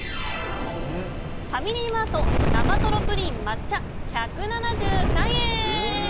ファミリーマート生とろプリン抹茶、１７３円。